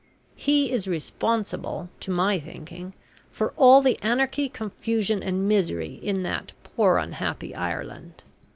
He is responsible to my thinking for all the anarchy, confusion and misery in that poor unhappy Ireland.